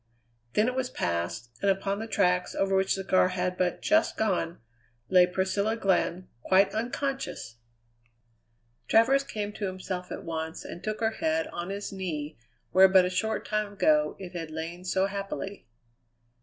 Then it was past, and upon the tracks over which the car had but just gone lay Priscilla Glenn quite unconscious! Travers came to himself at once, and took her head on his knee where but a short time ago it had lain so happily.